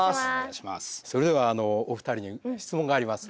それではお二人に質問があります。